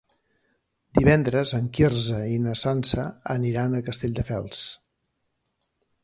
Divendres en Quirze i na Sança aniran a Castelldefels.